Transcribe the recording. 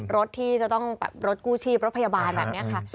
รถที่จะต้องแบบรถกู้ชีพรถพยาบาลแบบนี้ค่ะ